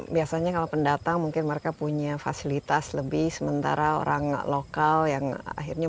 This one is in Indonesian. biasanya kalau pendatang mungkin mereka punya fasilitas lebih sementara orang lokal yang akhirnya